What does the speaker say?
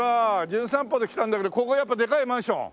『じゅん散歩』で来たんだけどここはやっぱでかいマンション？